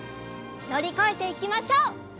のりこえていきましょう。